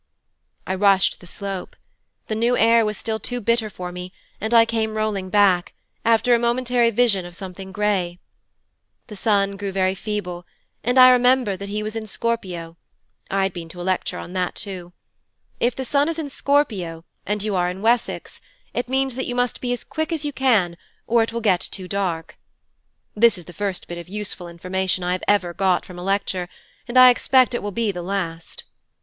'I rushed the slope. The new air was still too bitter for me and I came rolling back, after a momentary vision of something grey. The sun grew very feeble, and I remembered that he was in Scorpio I had been to a lecture on that too. If the sun is in Scorpio, and you are in Wessex, it means that you must be as quick as you can, or it will get too dark. (This is the first bit of useful information I have ever got from a lecture, and I expect it will be the last.)